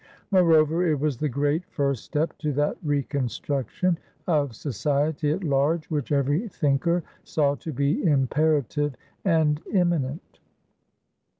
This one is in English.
Moreover, it was the great first step to that reconstruction of society at large which every thinker saw to be imperative and imminent.